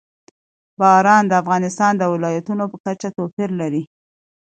باران د افغانستان د ولایاتو په کچه توپیر لري.